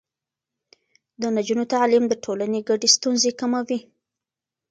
د نجونو تعليم د ټولنې ګډې ستونزې کموي.